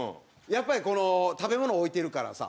やっぱりこの食べ物置いてるからさ。